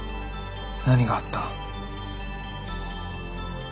何があった？